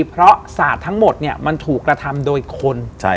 เพราะศาสตร์ทั้งหมดมันถูกกระทำโดยคน